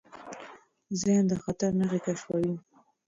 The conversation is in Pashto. ذهن د خطر نښې کشفوي.